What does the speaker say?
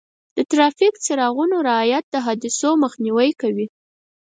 د ټرافیک څراغونو رعایت د حادثو مخنیوی کوي.